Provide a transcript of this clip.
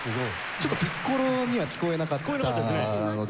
ちょっとピッコロには聴こえなかったのではないかなと。